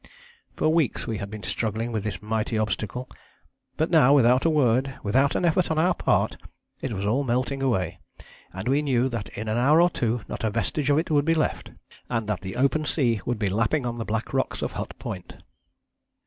For weeks we had been struggling with this mighty obstacle ... but now without a word, without an effort on our part, it was all melting away, and we knew that in an hour or two not a vestige of it would be left, and that the open sea would be lapping on the black rocks of Hut Point."